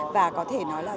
và có thể nói là